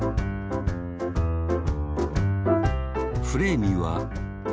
フレーミーは１３